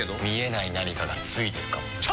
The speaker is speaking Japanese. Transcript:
見えない何かがついてるかも。